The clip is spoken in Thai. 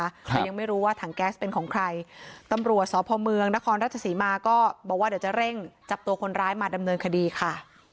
แต่ยังไม่รู้ว่าถังแก๊สเป็นของใครตำรวจสพเมืองนครราชศรีมาก็บอกว่าเดี๋ยวจะเร่งจับตัวคนร้ายมาดำเนินคดีค่ะ